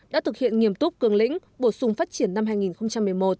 đã thực hiện nghiêm túc cường lĩnh bổ sung phát triển năm hai nghìn một mươi một